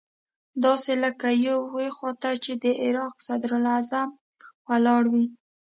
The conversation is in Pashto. داسې لکه يوې خوا ته چې د عراق صدراعظم ولاړ وي.